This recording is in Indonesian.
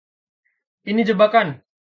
Ini jebakan!